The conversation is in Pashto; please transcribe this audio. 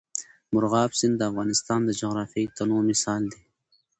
مورغاب سیند د افغانستان د جغرافیوي تنوع مثال دی.